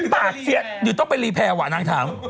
ปากเสียหนูต้องไปรีแพรว่ะนางถาม